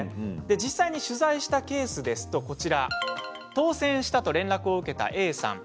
実際に取材したケースですと当選したと連絡を受けたＡさん